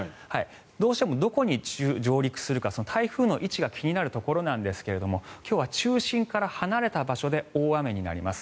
どうしてもどこに上陸するか台風の位置が気になるところですが今日は中心から離れた場所で大雨になります。